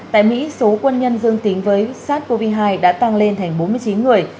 tại mỹ số quân nhân dương tính với sars cov hai đã tăng lên thành bốn mươi chín người